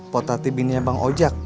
potati binanya bang ojak